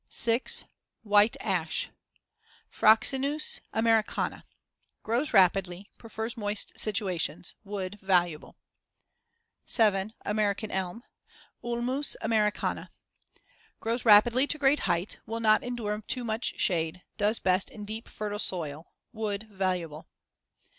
6. White ash (Fraxinus americana) Grows rapidly; prefers moist situations. Wood valuable. 7. American elm (Ulmus americana) Grows rapidly to great height; will not endure too much shade; does best in a deep fertile soil. Wood valuable.